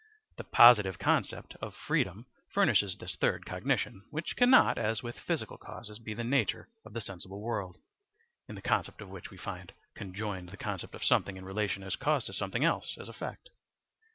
The positive concept of freedom furnishes this third cognition, which cannot, as with physical causes, be the nature of the sensible world (in the concept of which we find conjoined the concept of something in relation as cause to something else as effect).